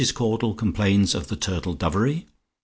CAUDLE COMPLAINS OF THE "TURTLE DOVERY."